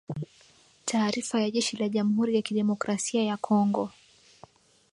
Taarifa ya jeshi la Jamhuri ya kidemokrasia ya Kongo.